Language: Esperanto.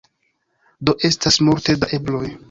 Do estas multe da ebloj.